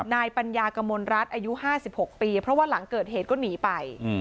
นายปัญญากมลรัฐอายุ๕๖ปีเพราะว่าหลังเกิดเหตุก็หนีไป